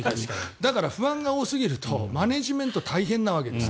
だから、不安が多すぎるとマネジメント大変なわけです。